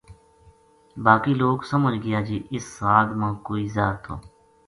باقی لوک سمجھ گیا جے اس ساگ ما کوئی زہر تھو